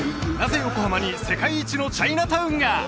なぜ横浜に世界一のチャイナタウンが？